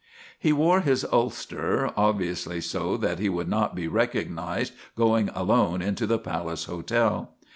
He wore his ulster, obviously so that he would not be recognised going alone into the Palace Hotel.